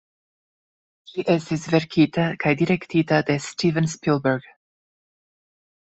Ĝi estis verkita kaj direktita de Steven Spielberg.